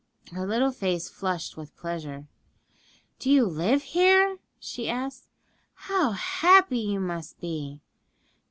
Her little face flushed with pleasure. 'Do you live here?' she asked. 'How happy you must be!'